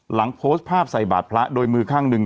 หลังโพสต์ภาพใส่บาดพระโดยมือข้างหนึ่ง